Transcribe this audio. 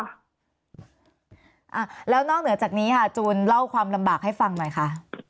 อ่าแล้วนอกเหนือจากนี้ค่ะจูนเล่าความลำบากให้ฟังหน่อยค่ะ